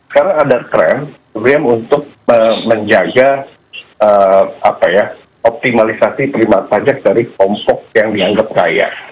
karena ada krem untuk menjaga optimalisasi terima pajak dari kompok yang dianggap kaya